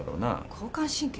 交感神経？